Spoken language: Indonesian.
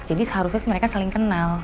jadi seharusnya sih mereka saling kenal